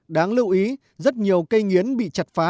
đáng lưu ý rất nhiều cây nghiến bị chặt phá